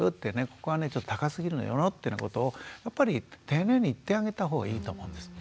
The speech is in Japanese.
「ここがね高すぎるのよ」ってなことをやっぱり丁寧に言ってあげた方がいいと思うんです。